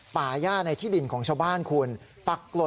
พระขู่คนที่เข้าไปคุยกับพระรูปนี้